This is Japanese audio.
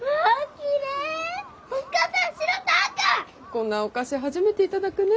こんなお菓子初めて頂くね。